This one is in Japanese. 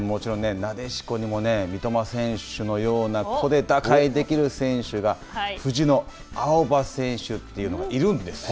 なでしこにも三笘選手のような個で打開できる選手が、藤野あおば選手というのがいるんですよ。